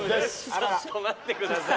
あららちょっと待ってください